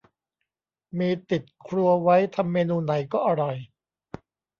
มีติดครัวไว้ทำเมนูไหนก็อร่อย